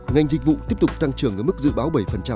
ngành dịch vụ tiếp tục tăng trưởng ở mức dự báo bảy